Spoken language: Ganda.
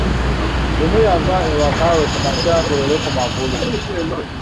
Lumu yava ewakaawe kumakya agolole ku magulu.